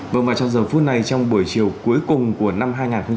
vâng và trong giờ phút này trong buổi chiều cuối cùng của năm hai nghìn hai mươi